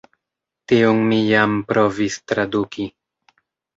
Tiun mi jam provis traduki.